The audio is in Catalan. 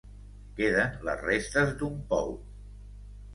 Queden les restes d'un pou.